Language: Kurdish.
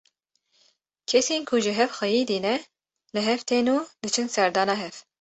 Kesên ku ji hev xeyidîne li hev tên û diçin serdana hev.